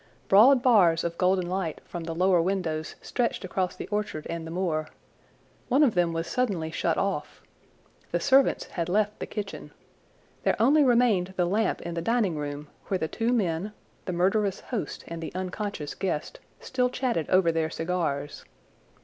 Broad bars of golden light from the lower windows stretched across the orchard and the moor. One of them was suddenly shut off. The servants had left the kitchen. There only remained the lamp in the dining room where the two men, the murderous host and the unconscious guest, still chatted over their cigars.